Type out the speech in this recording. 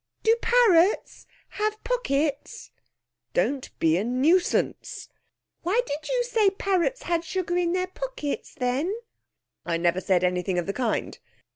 'Do parrots have pockets?' 'Don't be a nuisance.' 'Why did you say parrots had sugar in their pockets, then?' 'I never said anything of the kind.'